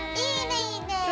いいねいいね。